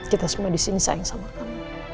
kita semua disini sayang sama kamu